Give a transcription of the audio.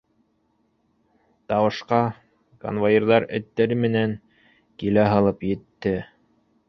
Тауышҡа конвоирҙар эттәре менән килә һалып етте.